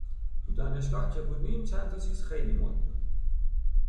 تو دانشگاه که بودیم چند تا چیز خیلی مُد بود